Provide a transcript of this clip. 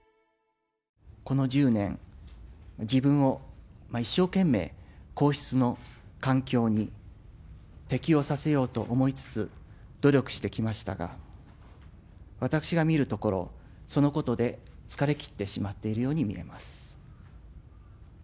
この１０年、自分を一生懸命、皇室の環境に適応させようと思いつつ、努力してきましたが、私が見るところ、そのことで疲れ切ってしまっているように見えます。